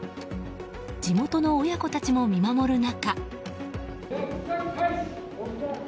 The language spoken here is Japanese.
地元の親子たちも見守る中。